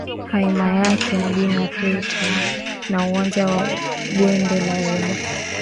himaya yake mji wa Freetown na uwanja wa ndege wa Lungi